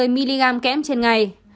một mươi mg kém trên ngày